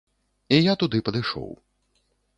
І я туды падышоў.